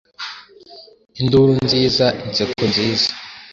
Induru nziza inseko nziza,